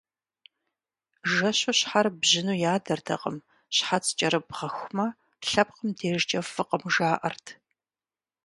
Жэщу щхьэр бжьыну ядэртэкъым, щхьэц кӀэрыбгъэхумэ, лъэпкъым дежкӀэ фӀыкъым, жаӀэрт.